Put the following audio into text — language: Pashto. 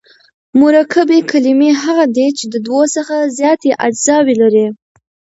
مرکبي کلیمې هغه دي، چي د دوو څخه زیاتي اجزاوي لري.